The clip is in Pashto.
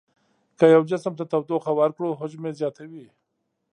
که یو جسم ته تودوخه ورکړو حجم یې زیاتوي.